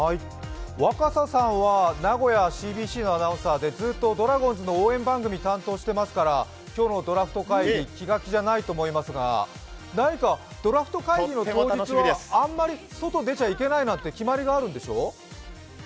若狭さんは名古屋ＣＢＣのアナウンサーでずっとドラゴンズの応援番組担当してますから今日のドラフト会議、気が気じゃないと思いますがドラフト会議の当日は、あんまり外出ちゃいけないなんていう決まりがあるんでしょう？